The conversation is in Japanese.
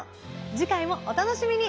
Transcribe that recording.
次回もお楽しみに。